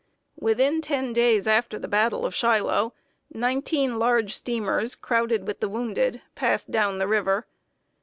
] Within ten days after the battle of Shiloh, nineteen large steamers, crowded with wounded, passed down the river.